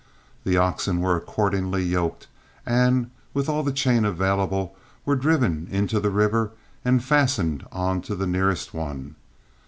The oxen were accordingly yoked, and, with all the chain available, were driven into the river and fastened on to the nearest one.